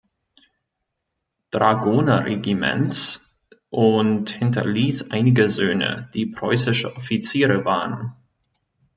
Dragonerregiments und hinterließ einige Söhne, die preußische Offiziere waren.